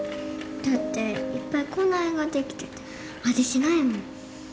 だっていっぱい口内炎ができてて味しないもん。